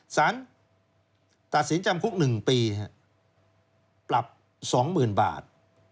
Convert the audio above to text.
สารตัดสินจำคุก๑ปีปรับ๒๐๐๐บาท